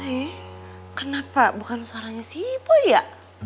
eh kenapa bukan suaranya si boy ya